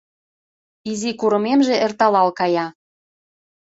Изи курымемже эрталал кая